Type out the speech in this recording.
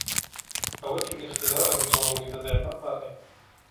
أود الاختلاء بتوم لبضع دقائق.